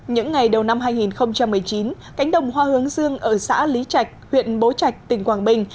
những ngày đầu năm hai nghìn một mươi chín cánh đồng hoa hướng dương ở xã lý trạch huyện bố trạch tỉnh quảng bình